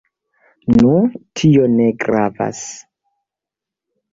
Nu, tio ne gravas.